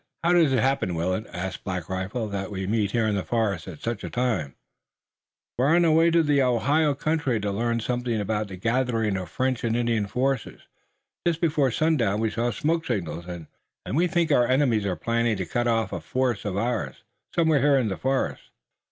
"How does it happen, Willet?" asked Black Rifle, "that we meet here in the forest at such a time?" "We're on our way to the Ohio country to learn something about the gathering of the French and Indian forces. Just before sundown we saw smoke signals and we think our enemies are planning to cut off a force of ours, somewhere here in the forest."